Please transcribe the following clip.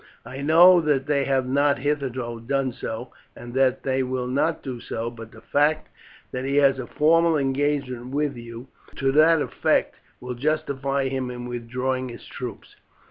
I know that they have not hitherto done so, and that they will not do so, but the fact that he has a formal engagement with you to that effect will justify him in withdrawing his troops.